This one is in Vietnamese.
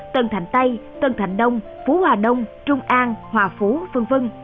tân thành tây tân thành đông phú hòa đông trung an hòa phú v v